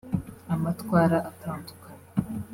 Amatwara Atandukanye”